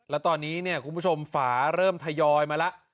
แล้วตอนนี้เนี่ยคุณผู้ชมฝาเริ่มทยอยมาแล้ว